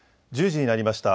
１０時になりました。